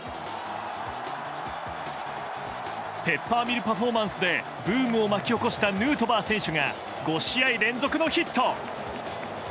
ペッパーミルパフォーマンスでブームを巻き起こしたヌートバー選手が５試合連続のヒット。